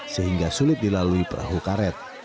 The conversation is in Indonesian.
sehingga sulit dilalui perahu karet